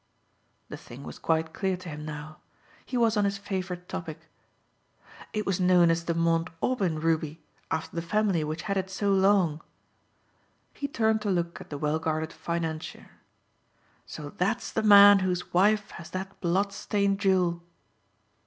The thing was quite clear to him now. He was on his favorite topic. "It was known as the Mount Aubyn ruby, after the family which had it so long." He turned to look at the well guarded financier. "So that's the man whose wife has that blood stained jewel!"